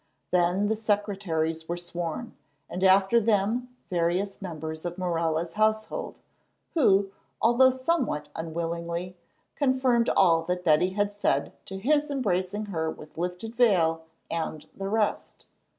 Then the secretaries were sworn, and after them various members of Morella's household, who, although somewhat unwillingly, confirmed all that Betty had said as to his embracing her with lifted veil and the rest.